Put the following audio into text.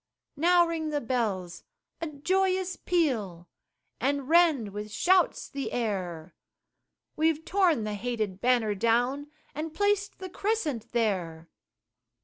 Now ring the bells a joyous peal, And rend with shouts the air, We've torn the hated banner down, And placed the Crescent there.